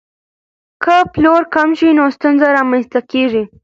که پلور کم شي نو ستونزه رامنځته کیږي.